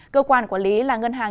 cơ quan quản lý là ngân hàng